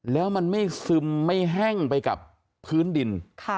แล้วมันไม่ซึมไม่แห้งไปกับพื้นดิน